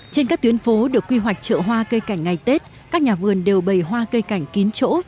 trên các tuyến phố được quy hoạch chợ hoa cây cảnh ngày tết các nhà vườn đều bày hoa cây cảnh kín chỗ